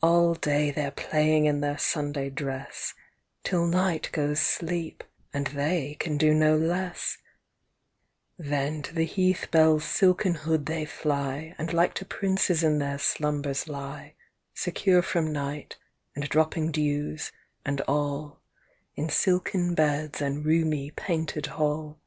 All day they're playing in their Sunday dress Till night goes sleep, and they can do no less; Then, to the heath bell's silken hood they fly, And like to princes in their slumbers lie, Secure from night, and dropping dews, and all, In silken beds and roomy painted hall.